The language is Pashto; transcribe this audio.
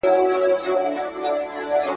نور له زړه څخه ستا مینه سم ایستلای ,